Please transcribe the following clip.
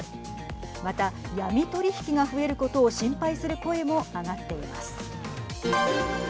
また、闇取引が増えることを心配する声も上がっています。